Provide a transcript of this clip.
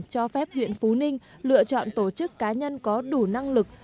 cho phép huyện phú ninh lựa chọn tổ chức cá nhân có đủ năng lực